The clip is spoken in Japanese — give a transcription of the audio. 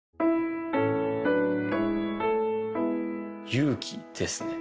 勇気ですね